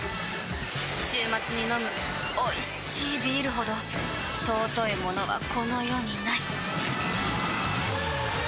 週末に飲むおいしいビールほど尊いものはこの世にない！